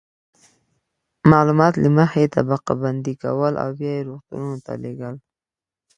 معلومات له مخې یې طبقه بندي کول او بیا یې روغتونونو ته لیږل.